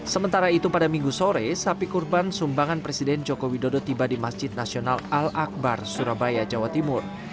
sementara itu pada minggu sore sapi kurban sumbangan presiden joko widodo tiba di masjid nasional al akbar surabaya jawa timur